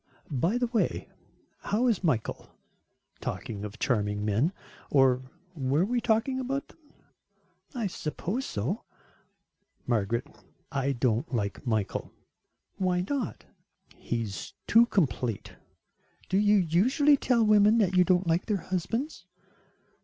"By the way, how is Michael, talking of charming men. Or, were we talking about them?" "I suppose so." "Margaret, I don't like Michael." "Why not?" "He is too complete." "Do you usually tell women that you don't like their husbands?"